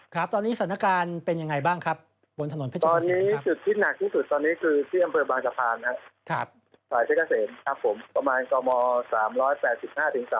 ครับสวัสดีครับคุณ